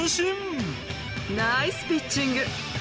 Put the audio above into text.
ナイスピッチング！